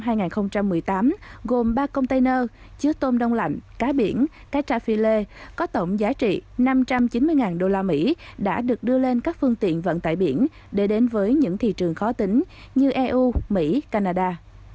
lô hàng xuất khẩu đầu năm hai nghìn một mươi tám gồm ba container chứa tôm đông lạnh cá biển cá trà phi lê có tổng giá trị năm trăm chín mươi usd đã được đưa lên các phương tiện vận tải biển để đến với những thị trường khó tính như eu mỹ canada